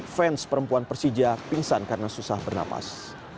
fans perempuan persija pingsan karena susah bernapas